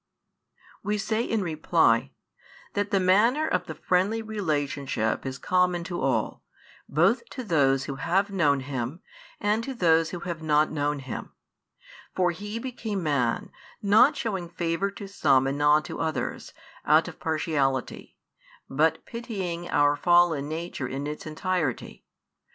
We say in reply, that the manner of the friendly relationship is common to all, both to those who have known Him and to those who have not known Him; for He became Man, not showing favour to some and not to others, out of partiality, but pitying our fallen nature in its entirety.